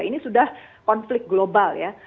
ini sudah konflik global ya